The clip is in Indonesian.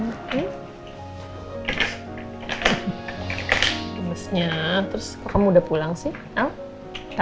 gemesnya terus kok kamu udah pulang sih al